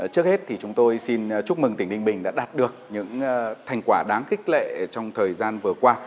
trước hết thì chúng tôi xin chúc mừng tỉnh ninh bình đã đạt được những thành quả đáng khích lệ trong thời gian vừa qua